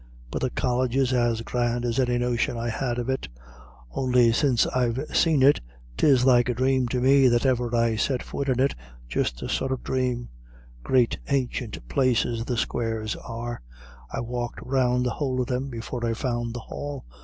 But the College is as grand as any notion I had of it; on'y since I've seen it, 'tis like a drame to me that ever I set fut in it, just a sort of drame.... Great ancient places the squares are; I walked round the whole of them before I found the Hall.